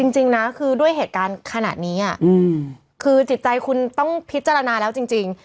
จริงนะคือด้วยเหตุการณ์ขนาดนี้คือจิตใจคุณต้องพิจารณาแล้วจริง